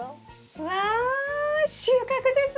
わ収穫ですね！